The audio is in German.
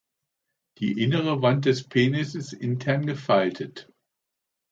Die innere Wand des Penis ist intern gefaltet.